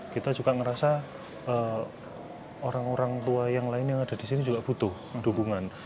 kita juga merasa orang orang tua yang lain yang ada di sini juga butuh dukungan